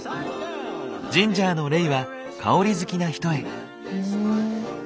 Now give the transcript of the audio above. ジンジャーのレイは香り好きな人へ。